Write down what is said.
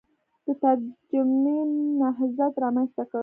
د ترجمې نهضت رامنځته کړ